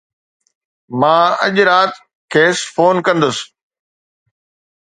مان اڄ رات کيس فون ڪندس.